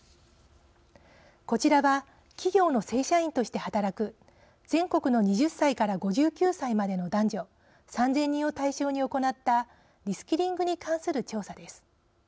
こちらは企業の正社員として働く全国の２０歳から５９歳までの男女３０００人を対象に行ったリスキリングに関する調査です。